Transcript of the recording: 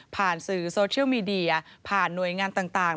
ผ่านสื่อโซเชียลซอมผ่านหน่วยงานต่าง